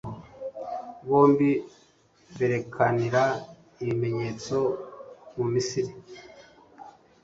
bombi berekanira ibimenyetso mu misiri